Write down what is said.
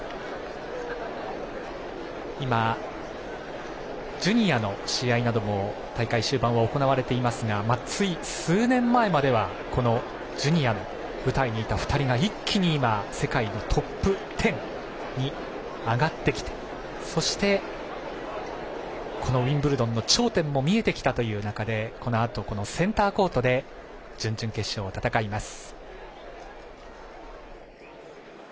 今、ジュニアの試合なども大会終盤は行われていますがつい数年前まではこのジュニアの舞台にいた２人が一気に、世界のトップ１０に上がってきてそして、このウィンブルドンの頂点も見えてきたという中でこのあと、センターコートで準々決勝を戦います。